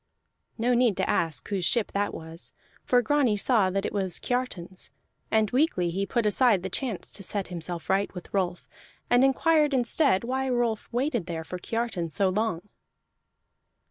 No need to ask whose ship that was, for Grani saw that it was Kiartan's. And weakly he put aside the chance to set himself right with Rolf, and inquired instead why Rolf waited there for Kiartan so long.